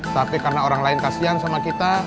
tapi karena orang lain kasian sama kita